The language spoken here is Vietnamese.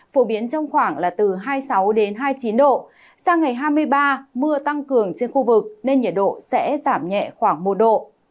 phổ biến trong khoảng là từ hai mươi sáu hai mươi chín độ sang ngày hai mươi ba mưa tăng cường trên khu vực nên nhiệt độ sẽ giảm nhẹ khoảng một độ